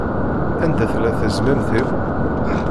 Anda tella tezmamt-im?